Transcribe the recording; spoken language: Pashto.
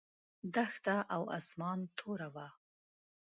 دښته او اسمان توره وه.